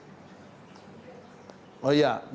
jadi di dalam undang undang ini